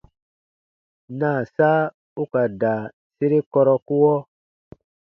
Naasa u ka da sere kɔrɔkuɔ.